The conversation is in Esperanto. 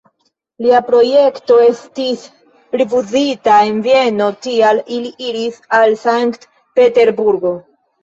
Lia projekto estis rifuzita en Vieno, tial li iris al Sankt-Peterburgo.